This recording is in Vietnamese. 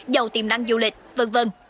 giàu tiềm năng du lịch v v